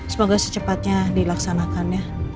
semoga secepatnya dilaksanakan ya